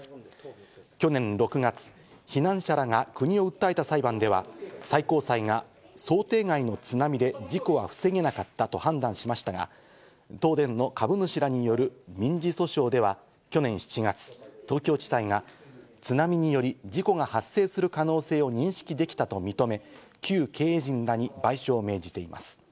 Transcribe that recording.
去年６月、避難者らが国を訴えた裁判では、最高裁が想定外の津波で事故は防げなかったと判断しましたが、東電の株主らによる民事訴訟では去年７月、東京地裁が津波により事故が発生する可能性を認識できたと認め、旧経営陣らに賠償を命じています。